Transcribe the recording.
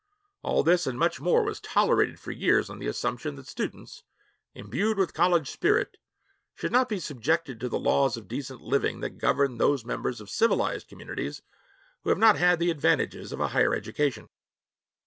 All this and much more was tolerated for years on the assumption that students, imbued with college spirit, should not be subjected to the laws of decent living that govern those members of civilized communities who have not had the advantages of a higher education.